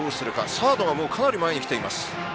サードはかなり前に来ています。